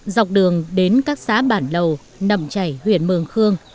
dọc đường đến các xã bản lầu nằm chảy huyện mường khương